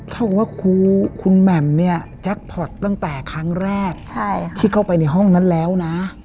เขาบอกว่าครูคุณแหม่มเนี่ยแจ็คพอร์ตตั้งแต่ครั้งแรกที่เข้าไปในห้องนั้นแล้วนะ